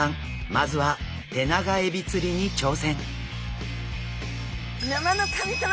まずはテナガエビ釣りに挑戦。